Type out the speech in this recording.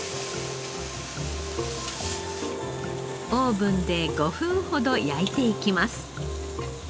オーブンで５分ほど焼いていきます。